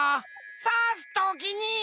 さすときに。